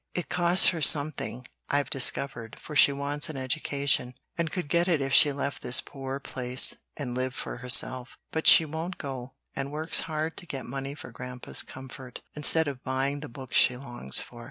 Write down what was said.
It costs her something, I've discovered, for she wants an education, and could get it if she left this poor place and lived for herself; but she won't go, and works hard to get money for Grandpa's comfort, instead of buying the books she longs for.